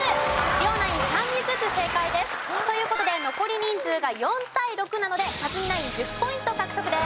両ナイン３人ずつ正解です。という事で残り人数が４対６なので克実ナイン１０ポイント獲得です。